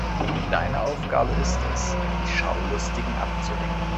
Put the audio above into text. Deine Aufgabe ist es, die Schaulustigen abzulenken.